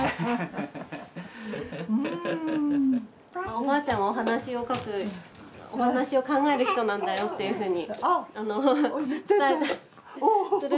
おばあちゃんはお話を書くお話を考える人なんだよっていうふうに伝えたりするんですけど。